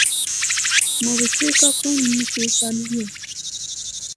Mu bukika kono ne bukiika ddyo.